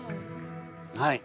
はい。